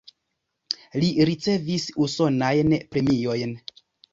Li ricevis usonajn premiojn.